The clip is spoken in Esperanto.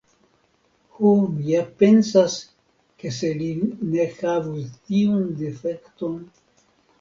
Ho, mi ja pensas, ke se li ne havus tiun difekton.